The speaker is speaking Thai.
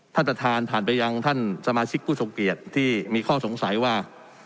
ท่านประธานผ่านไปยังท่านสมาชิกผู้ทรงเกียจที่มีข้อสงสัยว่า